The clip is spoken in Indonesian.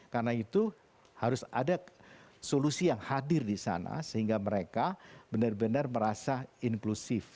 karena itu harus ada solusi yang hadir di sana sehingga mereka benar benar merasa inklusif